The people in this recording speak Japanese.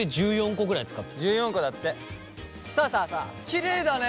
きれいだね。